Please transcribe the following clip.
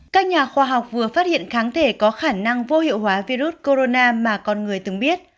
các nhà khoa học vừa phát hiện kháng thể có khả năng vô hiệu hóa virus corona mà con người từng biết